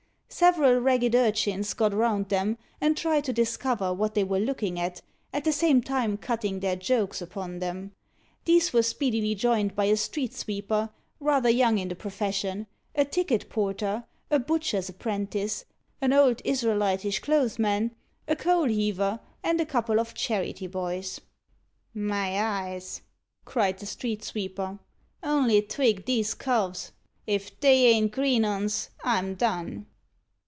Several ragged urchins got round them, and tried to discover what they were looking at, at the same time cutting their jokes upon them. These were speedily joined by a street sweeper, rather young in the profession, a ticket porter, a butcher's apprentice, an old Israelitish clothes man, a coalheaver, and a couple of charity boys. "My eyes!" cried the street sweeper, "only twig these coves. If they ain't green 'uns, I'm done."